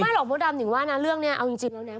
ไม่หรอกเพราะดามถึงว่านะเรื่องเนี่ยเอาจริงแล้วเนี่ย